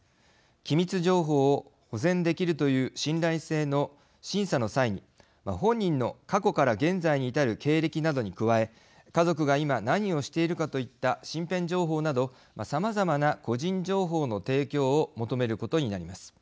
機密情報を保全できるという信頼性の審査の際に本人の過去から現在に至る経歴などに加え家族が今何をしているかといった身辺情報などさまざまな個人情報の提供を求めることになります。